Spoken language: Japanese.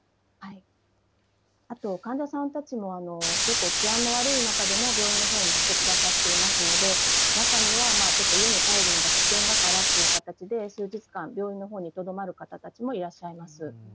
あと、患者さんたちも結構、治安の悪い中でも病院のほうに来てくださっていますので、中にはちょっと家に帰るのが危険だからという形で、数日間、病院のほうにとどまる方たちもいらっしゃいます。